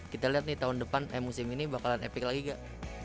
kita lihat nih tahun depan eh musim ini bakalan epic lagi gak